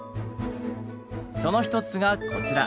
その一つがこちら。